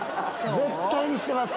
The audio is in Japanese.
絶対にしてます